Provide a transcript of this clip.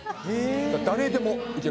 誰でもいける。